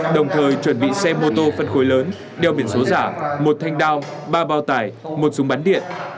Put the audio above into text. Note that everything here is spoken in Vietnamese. đồng thời chuẩn bị xe mô tô phân khối lớn đeo biển số giả một thanh đao ba bao tải một súng bắn điện